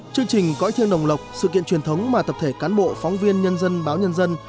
chương trình cõi thiêng đồng lộc sự kiện truyền thống mà tập thể cán bộ phóng viên nhân dân báo nhân dân